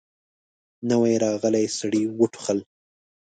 نوي راغلي سړي وټوخل.